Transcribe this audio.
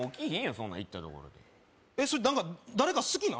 そんな行ったところでえそれ何か誰か好きなん？